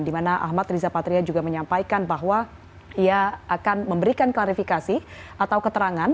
di mana ahmad riza patria juga menyampaikan bahwa ia akan memberikan klarifikasi atau keterangan